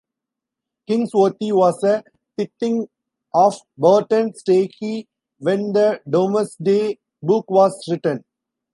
Kings Worthy was a tithing of Barton Stacey when the Domesday Book was written.